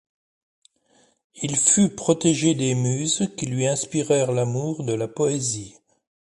Il fut protégé des Muses qui lui inspirèrent l'amour de la poésie.